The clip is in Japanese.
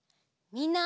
みんな。